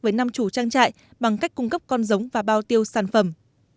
với năm chủ trang trại bằng cách cung cấp con giống và bao tiêu sản phẩm